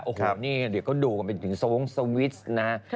โอ้โหนี่เดี๋ยวก็ดูกันไปถึงสวงสวิสนะ